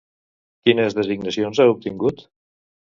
Quines designacions ha obtingut?